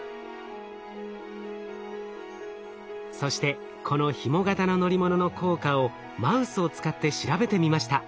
そしてこのひも型の乗り物の効果をマウスを使って調べてみました。